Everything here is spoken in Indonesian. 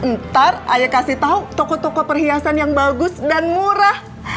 ntar ayah kasih tahu toko toko perhiasan yang bagus dan murah